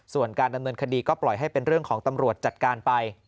ส่วนการดำเนินคดีก็ปล่อยให้เป็นเรื่องของตำรวจจัดการไป